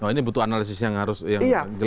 ini butuh analisis yang harus diangkat